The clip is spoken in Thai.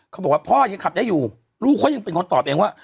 เขาบอกว่าพ่อยังขับได้อยู่ลูกเขายังเป็นคนตอบเองว่า